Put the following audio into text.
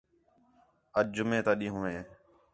اَڄ جُمعہ تا ݙِین٘ہوں ہِے